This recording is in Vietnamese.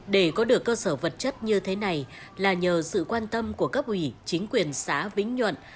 để có được cơ sở vật chất như thế này là nhờ sự quan tâm của cấp ủy chính quyền xã vĩnh nhuận